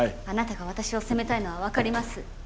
あなたが私を責めたいのは分かります。